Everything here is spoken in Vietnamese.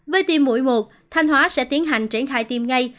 với tiêm mũi một thanh hóa sẽ tiến hành triển khai tiêm ngay